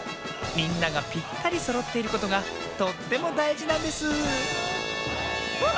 みんながぴったりそろっていることがとってもだいじなんですあ！